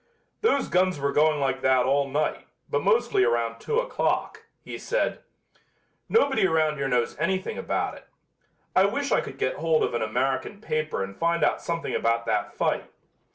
"Those guns were going like that all night, but mostly around two o'clock," he said. "Nobody around here knows anything about it. I wish I could get hold of an American paper and find out something about that fight.